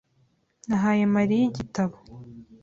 Nahaye Mariya igitabo .